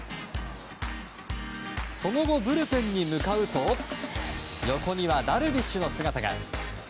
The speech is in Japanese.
その後、プルペンに向かうと横にはダルビッシュの姿が。